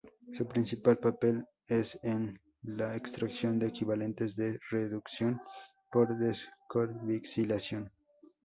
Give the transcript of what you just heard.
Su principal papel es en la extracción de equivalentes de reducción por descarboxilación.